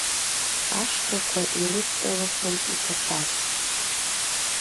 Ашьхақәа ирывҵалахьан иҭашәарц.